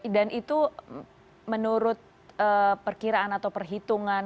dan itu menurut perkiraan atau perhitungan